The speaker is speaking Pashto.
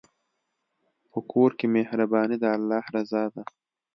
په کور کې مهرباني د الله رضا ده.